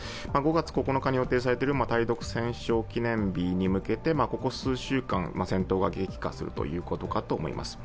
５月９日に予定されている対独戦勝記念日に向けてここ数週間、戦闘が激化するということかと思います。